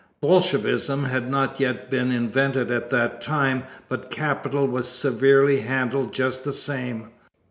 Bolshevism had not been invented at that time, but Capital was severely handled just the same.